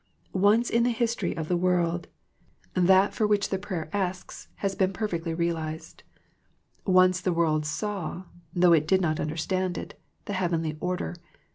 Once \n the history of the world that for which the prayer asks has been 78 THE PEACTIOE OF PEAYEE perfectly realized. Once the world saw, though it did not understand it, the heavenly order.